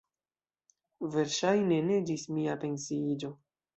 Verŝajne ne ĝis mia pensiiĝo.